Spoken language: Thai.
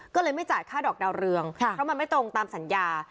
ก็เลยไม่จ่ายค่าดอกดาวเรืองเพราะมันไม่ตรงตามสัญญา